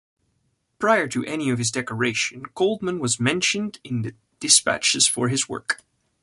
Prior to any of his decorations Coltman was Mentioned in Despatches for his work.